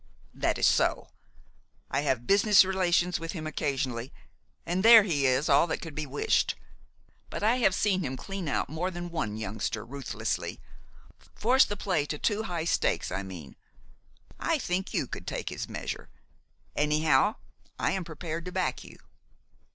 "That is so. I have business relations with him occasionally, and there he is all that could be wished. But I have seen him clean out more than one youngster ruthlessly, force the play to too high stakes, I mean. I think you could take his measure. Anyhow, I am prepared to back you."